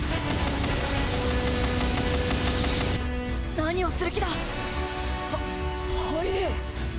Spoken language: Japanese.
何をする気だ？は速ぇ！